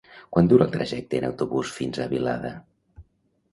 Quant dura el trajecte en autobús fins a Vilada?